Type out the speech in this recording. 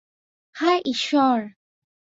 হায়, ঈশ্বর!